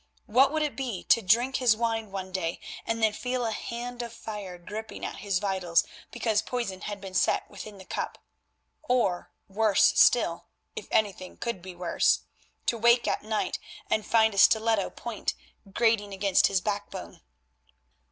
What would it be to drink his wine one day and then feel a hand of fire gripping at his vitals because poison had been set within the cup; or, worse still, if anything could be worse, to wake at night and find a stiletto point grating against his backbone?